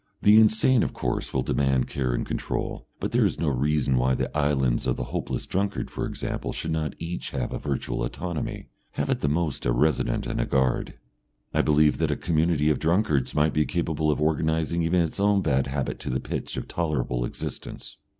The insane, of course, will demand care and control, but there is no reason why the islands of the hopeless drunkard, for example, should not each have a virtual autonomy, have at the most a Resident and a guard. I believe that a community of drunkards might be capable of organising even its own bad habit to the pitch of tolerable existence.